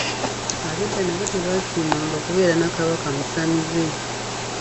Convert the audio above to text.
Ab'edda nabo tebaasiimanga kubeera na Kabaka musamize.